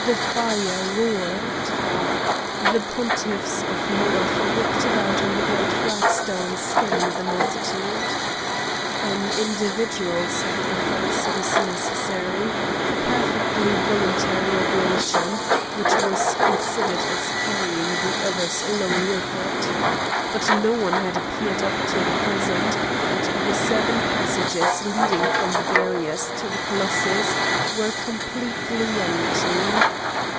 The fire roared. The pontiffs of Moloch walked about on the great flagstone scanning the multitude. An individual sacrifice was necessary, a perfectly voluntary oblation, which was considered as carrying the others along with it. But no one had appeared up to the present, and the seven passages leading from the barriers to the colossus were completely empty.